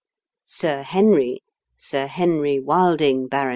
Sir Henry Sir Henry Wilding, Bart.